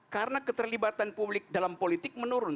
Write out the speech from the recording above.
karena keterlibatan publik dalam politik menurun